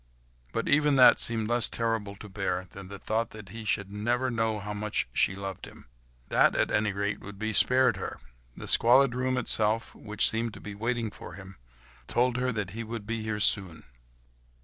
But even that seemed less terrible to bear than the thought that he should never know how much she loved him—that at any rate would be spared her; the squalid room itself, which seemed to be waiting for him, told her that he would be here soon.